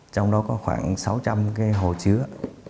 trong đó có khoảng sáu trăm linh hồ chứa